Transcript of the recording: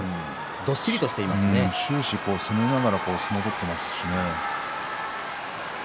終始攻めながら相撲を取っていますしね。